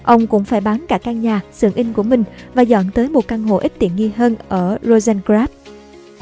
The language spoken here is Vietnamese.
ông cũng phải bán cả căn nhà xưởng in của mình và dọn tới một căn hộ ít tiện nghi hơn ở rojenrab